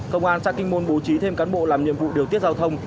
công an xã kinh môn bố trí thêm cán bộ làm nhiệm vụ điều tiết giao thông